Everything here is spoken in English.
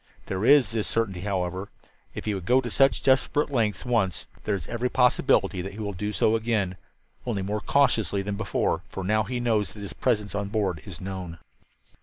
There is this certainty, however: If he would go to such desperate lengths once, there is every possibility that he will do so again only more cautiously than before, for now he knows that his presence on board is known.